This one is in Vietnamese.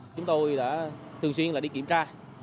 chúng tôi đã thường xuyên đi kiểm tra